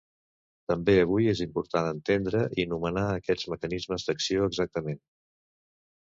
També avui és important entendre i nomenar aquests mecanismes d’acció exactament.